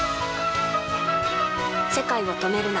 世界を、止めるな。